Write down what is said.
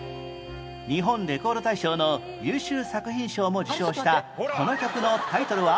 日本レコード大賞の優秀作品賞も受賞したこの曲のタイトルは？